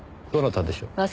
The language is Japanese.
どなたでしょう？